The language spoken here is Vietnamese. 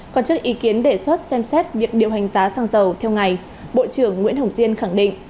còn trước ý kiến đề xuất xem xét việc điều hành giá xăng dầu theo ngày bộ trưởng nguyễn hồng diên khẳng định